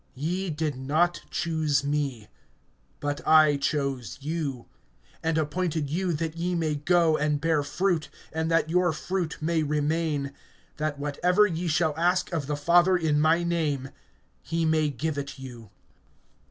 (16)Ye did not choose me, but I chose you, and appointed you that ye may go and bear fruit, and that your fruit may remain; that whatever ye shall ask of the Father in my name, he may give it you.